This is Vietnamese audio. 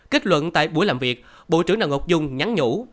kết luận tại buổi làm việc bộ trưởng đào ngọc dung nhắn nhủ